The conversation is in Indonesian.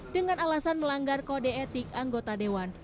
dengan alasan melanggar kode etik anggota dewan